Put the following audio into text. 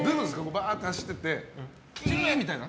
バーって走って行ってキーッ！みたいな？